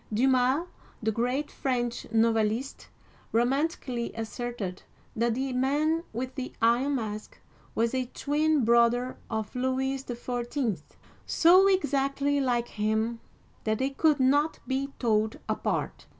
Dumas (dii ma'), the great French novelist, romantically asserted that the Man with the Iron Mask was a twin brother of Louis XIV., so exactly like him that they could not be told apart.